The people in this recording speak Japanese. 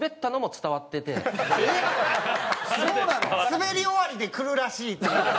「スベり終わりで来るらしい」っていう。